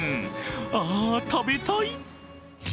あ、食べたい！